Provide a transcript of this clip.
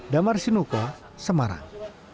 damar sinuko semarang